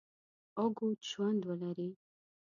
اوږد ژوند ولري.